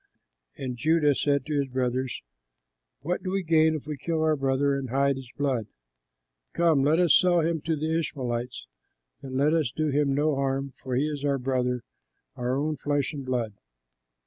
And Judah said to his brothers, "What do we gain if we kill our brother and hide his blood? Come, let us sell him to the Ishmaelites, and let us do him no harm, for he is our brother, our own flesh and blood."